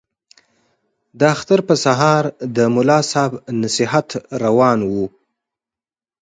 د اختر په سهار د ملا صاحب نصیحت روان وو.